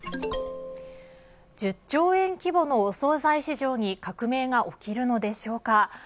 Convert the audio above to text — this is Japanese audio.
１０兆円規模のお総菜市場に革命が起きるのでしょうか。